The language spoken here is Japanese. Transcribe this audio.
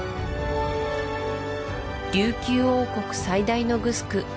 琉球王国最大のグスク